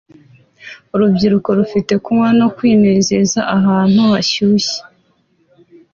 Urubyiruko rufite kunywa no kwinezeza ahantu hashyushye